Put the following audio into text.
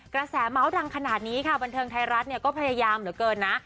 กระแสเมาส์ดังขนาดนี้ค่ะบันเทิงไทยรัฐเนี่ยก็พยายามเหลือเกินนะ